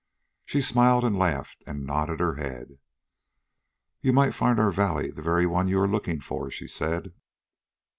She smiled and laughed and nodded her head. "You might find our valley the very one you are looking for," she said.